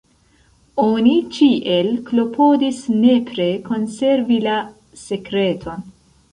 Oni ĉiel klopodis nepre konservi la sekreton.